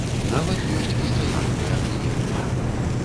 Нават ёсць пастаянныя кліенты.